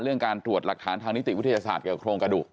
เรื่องการตรวจหลักฐานทางนิติวิทยาศาสตร์กับโครงกระดูก